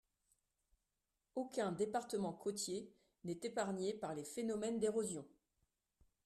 Aucun département côtier n’est épargné par les phénomènes d’érosion.